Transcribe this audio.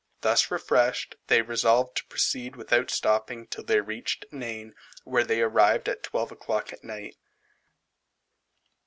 Thus refreshed, they resolved to proceed without stopping till they reached Nain, where they arrived at twelve o'clock at night.